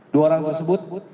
dua orang tersebut